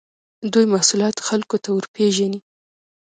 دوی محصولات خلکو ته ورپېژني.